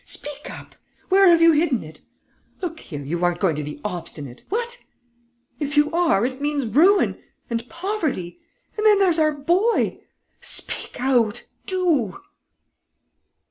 Speak up!... Where have you hidden it?... Look here, you aren't going to be obstinate, what? If you are, it means ruin ... and poverty.... And then there's our boy!... Speak out, do!"